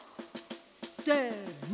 せの！